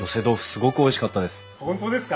すごくおいしかったです。